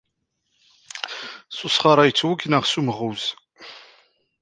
S usɣar ay yettweg neɣ s umɣuz?